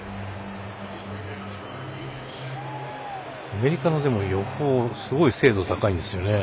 アメリカの予報、精度がすごい高いんですよね。